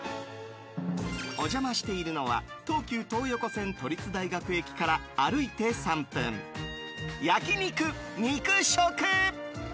お邪魔しているのは東急東横線都立大学駅から歩いて３分、焼肉肉食。